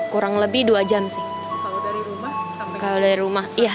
kurang lebih dua jam sih kalau dari rumah sampai ke kantor